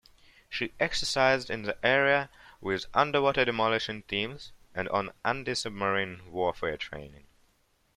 She exercised in the area with Underwater Demolition Teams and on anti-submarine warfare training.